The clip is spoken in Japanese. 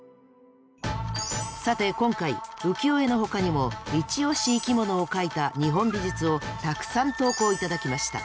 さて今回浮世絵のほかにもイチ推し生きものを描いた日本美術をたくさん投稿頂きました。